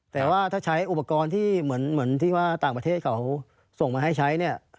แต่ว่าถ้าใช้อุปกรณ์ที่เหมือนที่ว่าต่างประเทศเขาส่งมาให้ใช้เนี่ย